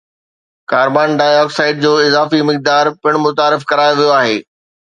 carbon dioxide جو اضافي مقدار پڻ متعارف ڪرايو ويو آهي